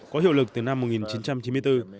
có hiệu lực từ năm một nghìn chín trăm chín mươi bốn